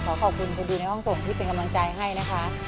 ขอบคุณคุณดูในห้องส่งที่เป็นกำลังใจให้นะคะ